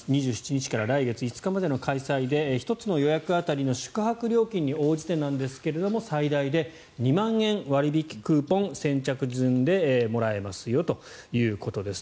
２７日から来月５日までの開催で１つの予約当たりの宿泊料金に応じてなんですが最大で２万円、割引クーポン先着順でもらえますよということです。